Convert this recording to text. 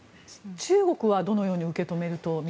中国はどのように受け止めると見ていますか。